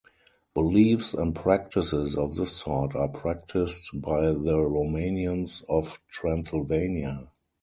Beliefs and practices of this sort are practiced by the Romanians of Transylvania.